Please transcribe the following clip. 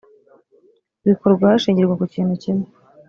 bikorwa hashingirwa ku kintu kimwe .